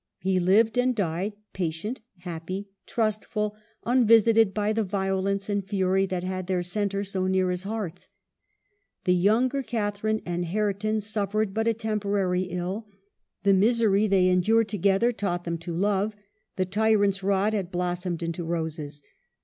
He lived and died, patient, happy, trustful, unvisited by the vio lence and fury that had their centre so near his hearth. The younger Catharine and Hareton suffered but a temporary ill ; the misery they endured together taught them to love ; the tyrant's rod had blossomed into roses.